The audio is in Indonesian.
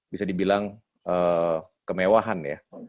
bisa dibilang kemewahan ya